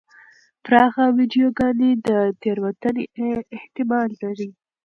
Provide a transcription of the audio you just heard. پراخه ویډیوګانې د تېروتنې احتمال لري.